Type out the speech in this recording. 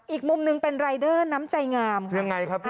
อีกมุมหนึ่งเป็นรายเดอร์น้ำใจงามค่ะยังไงครับ